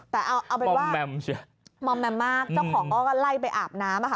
แต่เอาเป็นว่ามอมแมมมากเจ้าของก็ไล่ไปอาบน้ำอะค่ะ